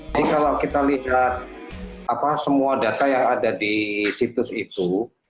jadi kalau kita lihat semua data yang ada di situs itu